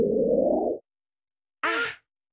あっ。